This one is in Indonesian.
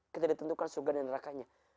kita ditentukan surga dan nerakanya